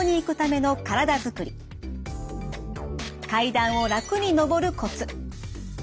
階段を楽に上るコツ。